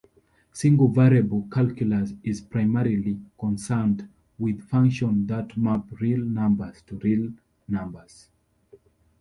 Single-variable calculus is primarily concerned with functions that map real numbers to real numbers.